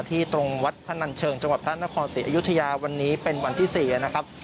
ตรงวัดพนันเชิงจังหวัดพระนครศรีอยุธยาวันนี้เป็นวันที่๔นะครับ